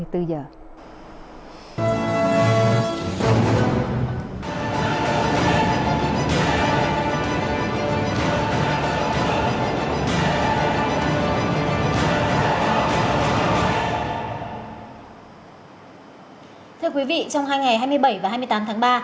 thưa quý vị trong hai ngày hai mươi bảy và hai mươi tám tháng ba